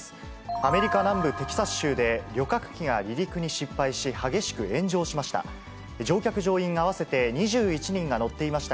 アメリカ南部テキサス州で、旅客機が離陸に失敗し、激しく炎上しました。